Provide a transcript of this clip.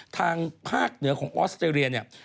ทางภาคเหนือของออสเตรเลียเนี่ย